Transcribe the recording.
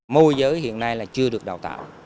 môi giới hiện nay là chưa được đào tạo